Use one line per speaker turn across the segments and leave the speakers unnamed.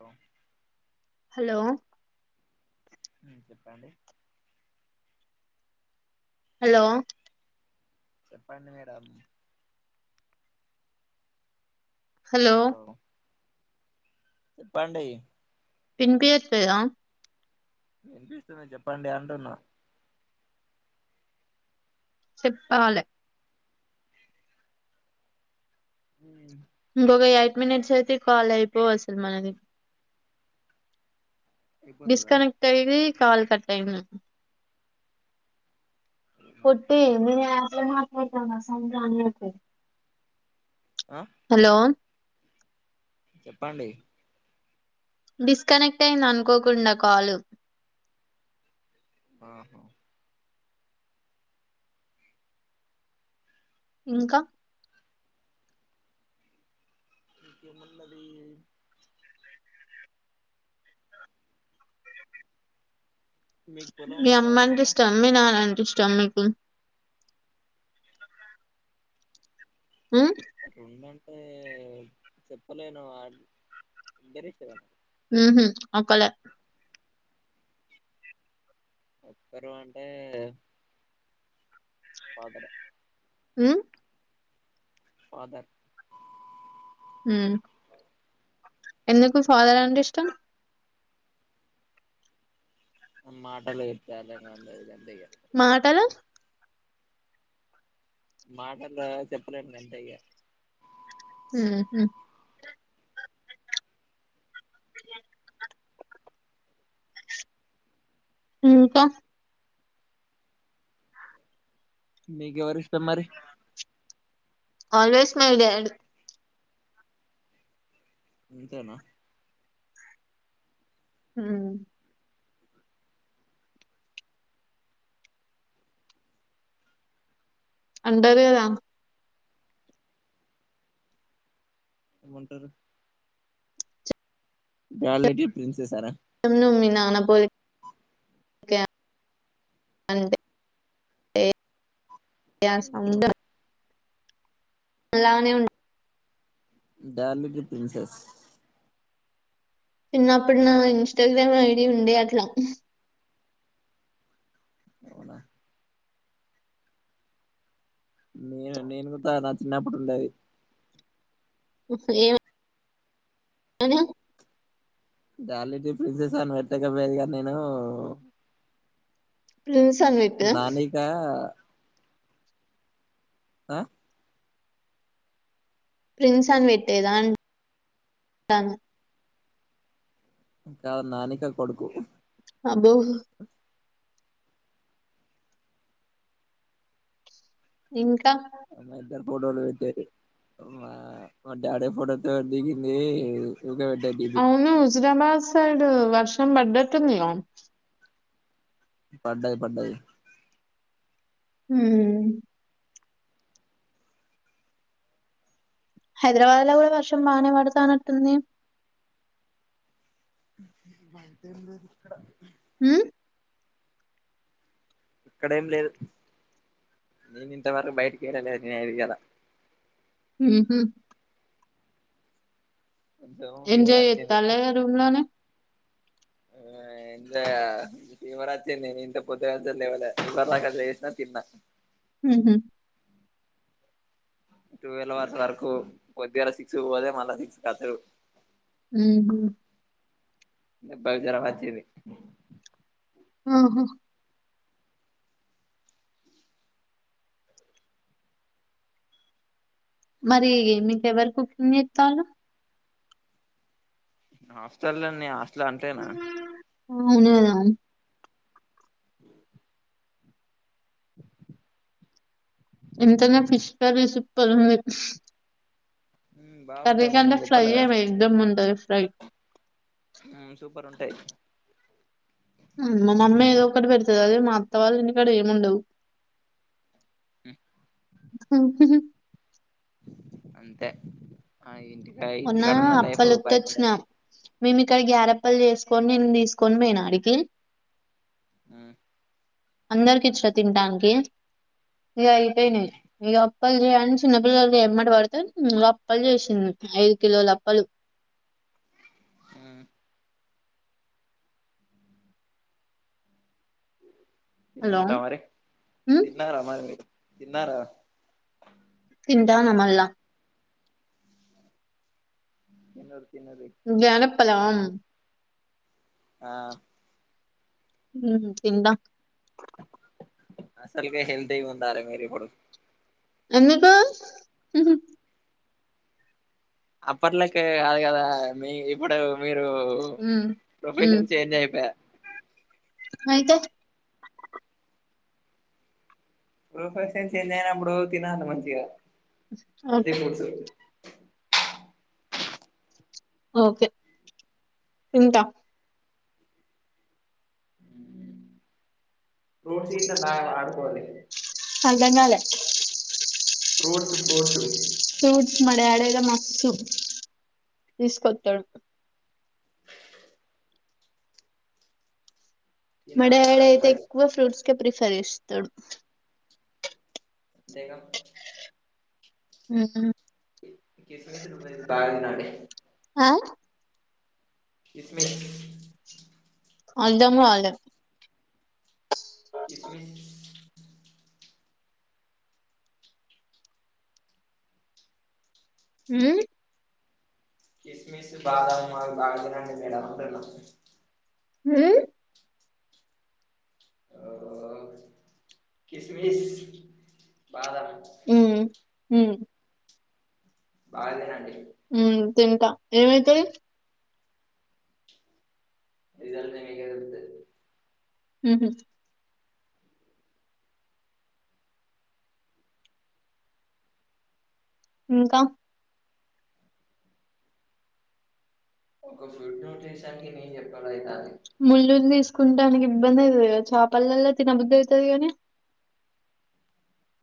Hello
hello
ఉమ్ చెప్పండి
hello
చెప్పండి madam.
Hello!
చెప్పండి.
వినిపియట్లేదా
వినిపిస్తుంది. చెప్పండి అంటున్నా
చెప్పాలె
మ్
ఇంకొక ఎయిట్ మినిట్స్ అయితే ఈ కాల్ అయిపో వస్తాది మనది.
అయిపోతదా
డిస్కనెక్ట్ అయిది కాల్ కట్ అయింది. పట్టి మీ మాట్ సని [unintelligible]
ఆ
హలో!
చెప్పండి
డిస్కనెక్ట్ అయింది అనుకోకుండా కాలు
ఆహా
ఇంకా
[unintelligible] మీకు పొలం
మీ
ఉన్నదా
అమ్మ అంటే
ఏమన్నా
ఇష్టం మీ నాన్న అంటే ఇష్టమా మీకు ఉ
అట్లాండంటే చెప్పలేను ఆ కెరిట్
మ్ హు ఒక్కలే
ఒక్కరు అంటే ఫాదరే
మ్
ఫాదర్
మ్ ఎందుకు ఫాదర్ అంటే ఇష్టం.
మాటలు ఐతే అర్ధం కావట్లేదు అంతే ఇగ
మాటలు
మాటల్లో చెప్పలేం అంతే ఇగ
మ్ హు అ [unintelligible] ఇంకా
మీకుకెవరిష్టం మరి
ఆల్వేస్ మై డాడ్
అంతేనా
మ్ అంటారు కదా
ఏమంటారు మీవాళ్ళకి ప్రిన్సెస్సా రా
మొత్తం మీ నాన్న పోలికే. ఒకే అంటే ఎ స
అంటారు
[unintelligible] అలానే ఉంట
డార్లింగ్ ప్రిన్సెస్
చిన్న అప్పుడు నా ఇన్స్టాగ్రామ్ ఐడి ఉండ అట్లా
అవునా నేను నేను కూడా నా చిన్నప్పుడు ఉండేది.
ఏ ఏమని
డార్లింగ్ ప్రిన్సెస్ అని పెట్టకపోయేగ నేను.
ప్రిన్స్ అని పెట్టు.
నానిక ఆ
ప్రిన్స్ పెట్టేదా ట
అవును నానిక కొడుకు
అబ్బో ఇంకా
అ నిదర్పోడోళ్ళొచ్చేటి మా మా డాడే ఫోటోతో దిగిందీ
అవును హుజురాబాద్ సైడ్ వర్షం బడ్డట్టు ఉందిగ
పడ్డాయి పడ్డాయి
హ్మ్ హైదరాబాద్లో కూడా వర్షం బనేవడతన్నట్టు ఉంది
అంతేం లేదు ఇక్కడ
హ్మ్
ఇక్కడేం లేదు నేను ఇంతవరకు బయటికెళ్ళలేదు నేను అయితే ఈయళ
మ్ హు
కొంచెం ఫీవర్
ఎంజాయ్
వచ్చింది
జేత్తాలే గ రూమ్లోనే ఇ
ఏం జేయ్య ఇవరాత్తినే నేను ఇంత పొద్దు గాంచే లేవలే ఇందాక కాత లేసిన తిన్న
హ్మ్ హు
టువల్ అవర్స్ వరకు పొద్దు గలా సిక్స్ పోదే మళ్ళా సిక్స్ కత్తర్
హ్మ్ హు
పద్ జరం వచ్చింది
ఆహా మరి నీకు ఎవల్ కుకింగ్ చేత్తాలు
హాస్టల్లోన్నీ హాస్టల్ అంటేనా
అవును గద
[unintelligible]
ఎంతైనా ఫిష్ కర్రీ సుప్పర్ ఉంది
ఉమ్
కర్రీ
బాగుంటాయి మరి
కంటే
నేను
ఫ్రై యే
చెప్పలేదా
వేక్దమ్ ఉంటది ఫ్రై
మ్ సూపర్ ఉంటాయి
అత్తవాళ్ళ ఇంటికాడ ఏం ఉండవు
అంతే ఆ ఏంటి
ఉన్నా అప్పలొత్తిచ్చినా మేమ్ ఇక్కడ గ్యార అప్పలు చేసుకొని నిన్ను దీసుకొని పోయిన ఆడికి
మ్మ్
అందరుకిచ్చ తింటానికి ఇగ
ఉమ్
అయిపోయినయ్ అప్పలు చెయ్ అని చిన్నపిల్లలు ఎమ్మట పడితే అప్పలు చేసింది ఐదు కిలోల అప్పలు [unintelligible]
మ్మ్
హలో
తిన్నార మరి
హ్మ్
తిన్నార మరి తిన్నార
తింటాన మళ్ళ
ఎన్నడు
జానప్పలాం
ఆ
మ్ హు తింద
అసల్కే హెల్దీ గా ఉండాలి మీరు ఇప్పుడు
ఎందుకు
అప్పట్లేక్కే కాదు కదా మీ ఇప్పుడు మీరు డు
హ్మ్ హ్మ్
ప్రొఫెషన్ చేంజ్ అయిపోయా
అయితే
ప్రొఫెషన్ చేంజ్ అయినాప్పుడు తినాలే మంచిగా హెల్తీ
అవున
ఫుడ్స్
ఓకే తింటా
ఫ్రూట్స్ గిట్ట బాగా వాడుకోండి
[unintelligible]
ఫ్రూట్స్ ఫ్రూట్స్
ఇగ మస్తు తీసుకోత్తడు మా
తినాలి
డాడ్
బాగా
అయితే
మరి
ఎక్కువ ఫ్రూట్స్ కే ప్రిఫర్ చేస్తాడు
అంతేగా
ఉమ్
కిస్మిస్లు ఉంటాయి [inaudible] బాగా తినండి
ఆ
కిస్మిస్
అర్థం కాలే
కిస్మిస్
ఉమ్
క్రిస్మిస్, బాదం అవి బాగా తినండి మేడం అంటున్న
హుం
అహో కిస్మిస్ బాదం
ఉమ్, ఉమ్
బాగ తినండి
ఉమ్. తింటా ఏమైతది
రిజల్ట్ మీకే తెలుస్తది
ఉహు ఇంకా
ఒక ఫుడ్ [inaudible] టేషానీకి ఇన్ని చెప్పుడు అయితంది
ముళ్లులు తీసుకుంటానికి ఇబ్బంది అయితది కదా చపలల్లో తినబుద్ధి అయితది గాని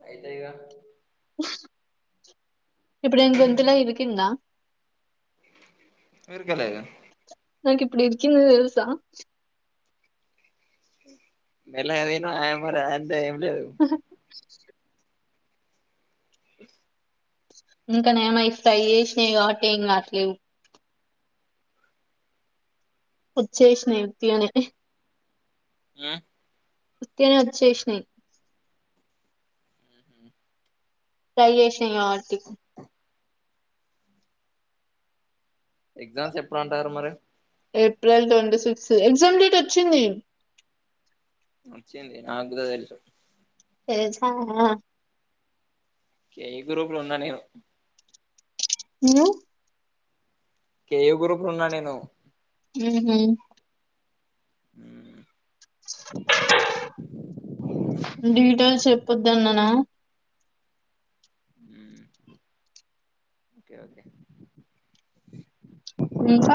అయితది గా
ఇప్పుడు ఏం గొంతులో ఇరికిందా
ఇరుకలేదు
దానికి ఇప్పుడు ఏం చేయాలో తెలుసా
మెల్లగా తిను [inaudible] ఆయంత ఏం లేదు
ఇంకా నయం అయి ఫ్రై చేసినాయి కాబట్టి ఏం కావట్లేవు ఒచేసినాయ్ ఉత్తిగానే
ఉ
ఉత్తిగానే వచ్చేసినాయ్ ఫ్రై చేసినై కాబట్టి
ఎగ్జామ్స్ ఎప్పుడు అంటన్రు మరి
April twenty six, exam date ఒచ్చింది!
ఒచ్చింది, నాకు గూడ తెలుసు
తెల్సా ఆ
ఏ గ్రూపులో ఉన్నా నేను
నేను [inaudible]
ఏ గ్రూపులో ఉన్నా నేను
ఊ హు
ఉమ్
డీటెయిల్స్ చెప్పొద్దన్నాన
ఉమ్ ఓకే ఓకే
నీకు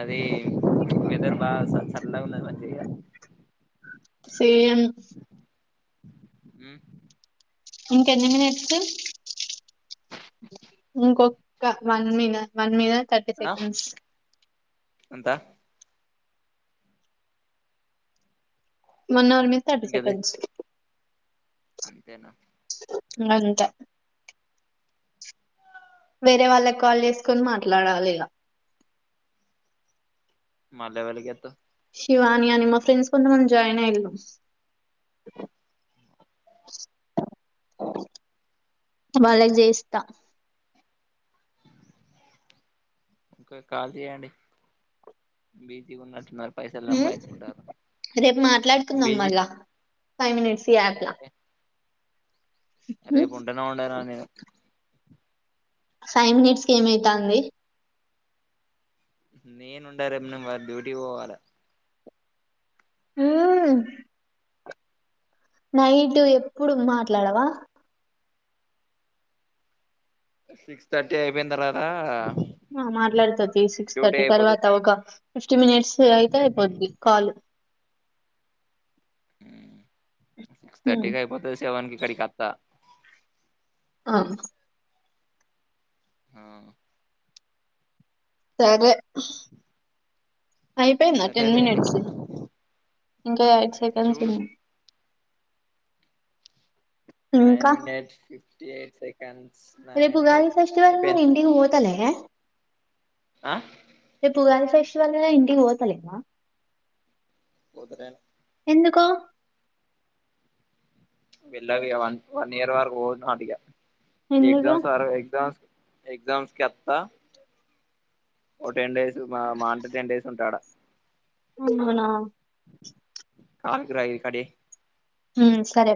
అది వెదర్‌బా సల్ సల్లాగున్నాది మంచిగా
సేమ్
మ్మ్
ఇంకేన్ని మినిట్స్ ఇంకొక్క వన్ మిన వన్ మిన థర్టీ సెకండ్స్
ఎంతా
వన్ హావర్ మీద థర్టీ
ఇంకదే
సెకండ్స్
అంతేనా
ఇంగంత వేరే వాళ్ళకి కాల్ చేసుకుని మాట్లాడాలి ఇగ
మళ్ళీ ఎవళ్ళికీ చేత్తవ్
శివాని అని మా ఫ్రెండ్స్ కొంతమంది జాయిన్ అయిళ్ళు వాళ్ళకి జేస్తా
ఒకే కాల్ చేయండి బీజీగ ఉన్నట్టున్నారు పైసలు
ఉమ్మ్
సంపాదించుకుంటారు
రేపు మాట్లాడుకుందాం
బిజీ
మళ్ళా ఫైవ్ మినిట్స్ ఈ యాప్ల
ఓకే రేపు ఉంటానో ఉండనో నేను
ఫైవ్ మినిట్స్‌ కి ఏమైతంది
నేనుండా రేపు నేనుమరి డ్యూటీకి పోవాలి
ఉమ్మ్మ్ నైట్ ఎప్పుడు మాట్లాడవా
సిక్స్ థర్టీ అయిపోయిన తర్వాత
ఆ మాట్లాడుతా తి సిక్స్
డ్యూటీ
థర్టీ తర్వాత
అయిపోతది
ఒక ఫిఫ్టీ మినిట్స్ అయితే అయిపోద్ది కాల్
మ్మ్ సిక్స్
హ్మ్
థర్టీకి అయిపోతది సెవెన్ కి ఇక్కడికి అత్తా
అ
మ్మ్
సరే అయిపోయిందా
సరే
టెన్
లేండి
మినిట్స్ ఇంకా ఎయిట్ సెకండ్స్
చూడు
ఉన్నాయ్
నైన్
ఇంకా
మినిట్ ఫిఫ్టీ ఎయిట్ సెకెండ్
రేపు ఉగాది ఫేస్ట్ కదా మరి ఇంటికి పోతలేరా
ఆ
రేపు ఉగాది ఫేస్ట్ కదా ఇంటికి పోతలేవా
పోతలేను
ఎందుకో
వెళ్ళవిగ వన్ వన్ ఇయర్ వరకు పోను అటిగా
ఎందుకు
ఎగ్జామ్స్ వర ఎగ్జామ్స్ ఎగ్జామ్స్ కి అత్తా ఓ టెన్ డేస్ మ మాహ అంటే టెన్ డేస్ ఉంటా ఆడ
మ్మ్ అవునా
కాన్కుర్ ఐడి కార్డు ఇ
హ్మ్ సరే